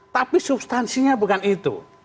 tapi substansinya bukan itu